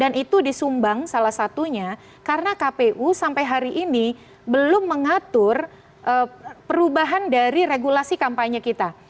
dan itu disumbang salah satunya karena kpu sampai hari ini belum mengatur perubahan dari regulasi kampanye kita